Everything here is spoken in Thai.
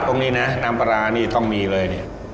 ตรงนี้นะน้ำปลาร้านี่ต้องมีเลยเนี่ย